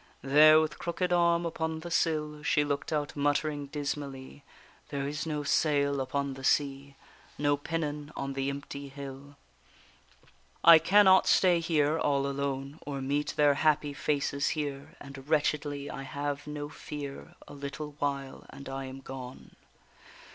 There, with crooked arm upon the sill, She look'd out, muttering dismally: There is no sail upon the sea, No pennon on the empty hill. I cannot stay here all alone, Or meet their happy faces here, And wretchedly I have no fear; A little while, and I am gone.